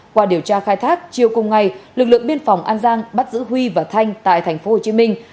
qua điều tra khai thác chiều cùng ngày lực lượng biên phòng an giang bắt giữ huy và thanh tại thành phố hồ chí minh